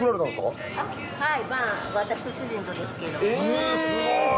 えすごい！